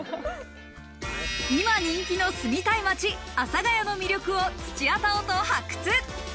今人気の住みたい街・阿佐ヶ谷の魅力を土屋太鳳と発掘。